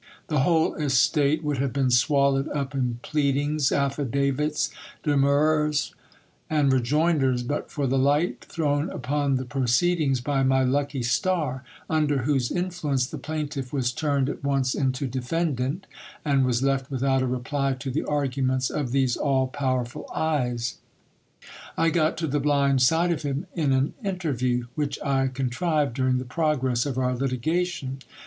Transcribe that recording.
The whole estate would have been swallowed up in plead ings, affidavits, demurrers, and rejoinders, but for the light thrown upon the pro ceedings by my lucky star ; under whose influence the plaintiff was turned at once into defendant, and was left without a reply to the arguments of these all powerful eyes. I got to the blind side of him in an interview, which I con :rived during the progress of our litigation.